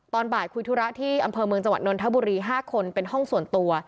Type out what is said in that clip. ตอนบ่ายคุยธุระที่อำเภอเมืองจังหวัดนนทบุรี๕คนเป็นห้องส่วนตัว